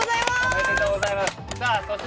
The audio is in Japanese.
おめでとうございます。